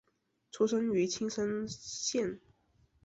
出身于青森县。